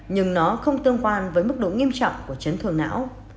nhưng nó không tương quan với mức độ nghiêm trọng của chấn thương não